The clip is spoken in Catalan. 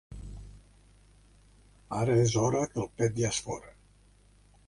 Ara és hora, que el pet ja és fora.